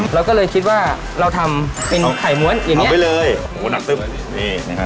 เราก็เลยคิดว่าเราทำเป็นไข่ม้วนอย่างนี้ออกไปเลยโอ้โหหนักตึ๊บนี่นะครับ